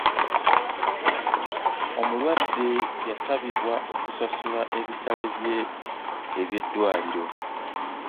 Omulwadde yasabibwa okusasula ebisale bye eby'eddwaliro.